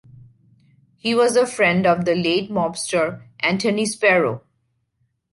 He was a friend of the late mobster, Anthony Spero.